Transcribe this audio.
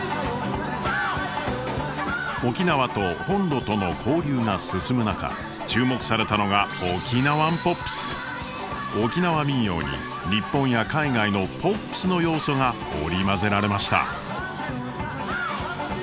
沖縄と本土との交流が進む中注目されたのが沖縄民謡に日本や海外のポップスの要素が織り交ぜられました。